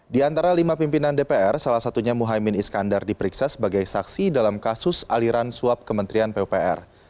di antara lima pimpinan dpr salah satunya muhaymin iskandar diperiksa sebagai saksi dalam kasus aliran suap kementerian pupr